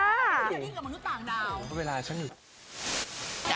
เอาจริงนั้นแต่เล่นละครมาเรื่องนี้จูบเยอะสุดแล้ว